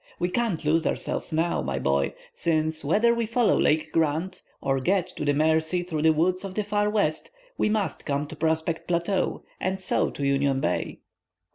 We can't lose ourselves now, my boy, since, whether we follow Lake Grant or get to the Mercy through the woods of the Far West, we must come to Prospect Plateau, and so to Union Bay."